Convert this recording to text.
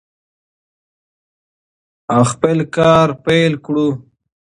او خپل کار پیل کړو.